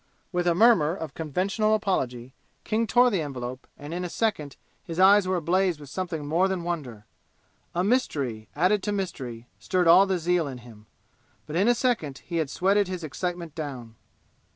With a murmur of conventional apology King tore the envelope and in a second his eyes were ablaze with something more than wonder. A mystery, added to a mystery, stirred all the zeal in him. But in a second he had sweated his excitement down.